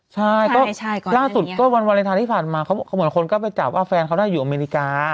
ใช่ก็ล่าสุดก็วันวาเลนไทยที่ผ่านมาเขาเหมือนคนก็ไปจับว่าแฟนเขาน่าอยู่อเมริกา